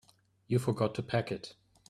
You forgot to pack it.